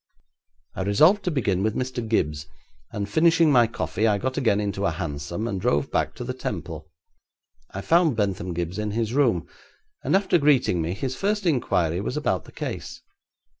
I resolved to begin with Mr. Gibbes, and, finishing my coffee, I got again into a hansom, and drove back to the Temple. I found Bentham Gibbes in his room, and after greeting me, his first inquiry was about the case.